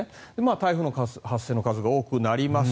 台風の発生の数が多くなります。